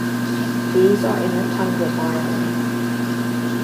These are in the tundra biome.